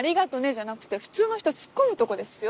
じゃなくて普通の人突っ込むとこですよ